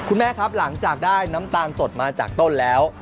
แม่ครับหลังจากได้น้ำตาลสดมาจากต้นแล้ว